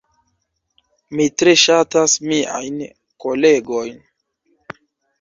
Mi tre ŝatas miajn kolegojn